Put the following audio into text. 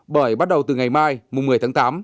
bởi bắt đầu từ ngày mai một mươi tháng tám